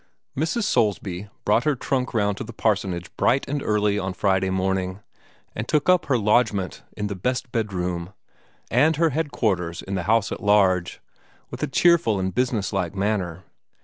Mrs. Soulsby brought her trunk round to the parsonage bright and early on Friday morning, and took up her lodgement in the best bedroom, and her headquarters in the house at large, with a cheerful and business like manner.